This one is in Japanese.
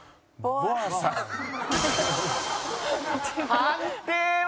判定は。